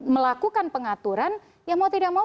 melakukan pengaturan ya mau tidak mau